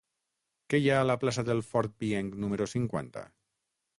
Què hi ha a la plaça del Fort Pienc número cinquanta?